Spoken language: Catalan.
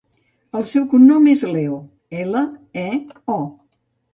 El seu cognom és Leo: ela, e, o.